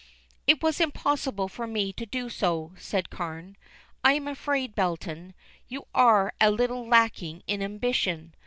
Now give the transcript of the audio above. "It was impossible for me to do so," said Carne. "I am afraid; Belton, you are a little lacking in ambition.